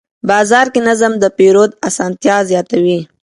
بازار کې نظم د پیرود اسانتیا زیاتوي